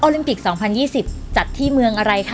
ลิมปิก๒๐๒๐จัดที่เมืองอะไรคะ